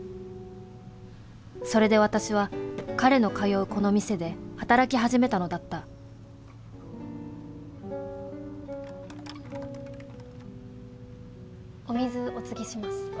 それで私は彼の通うこの店で働き始めたのだったお水おつぎします。